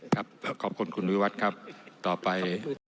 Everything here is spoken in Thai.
ครับขอบคุณคุณวิวัฒน์ครับต่อไป